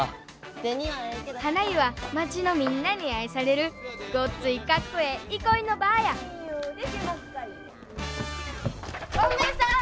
はな湯は町のみんなに愛されるごっついかっこええ憩いの場やゴンベエさん！